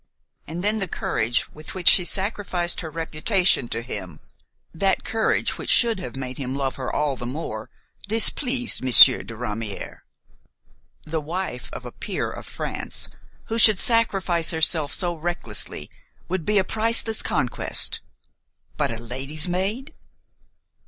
And then the courage with which she sacrificed her reputation to him–that courage which should have made him love her all the more–displeased Monsieur de Ramière. The wife of a peer of France who should sacrifice herself so recklessly would be a priceless conquest; but a lady's maid!